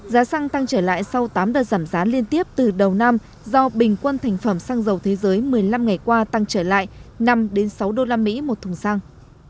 giá xăng tăng trở lại sau tám đợt giảm giá liên tiếp từ đầu năm do bình quân thành phẩm xăng dầu thế giới một mươi năm ngày qua tăng trở lại năm sáu usd một thùng xăng